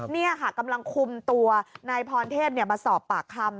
นี่ค่ะกำลังคุมตัวนายพรเทพมาสอบปากคำ